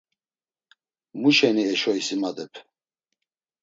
Mu şeni eşo isimadep?